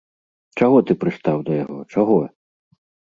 Чаго ты прыстаў да яго, чаго?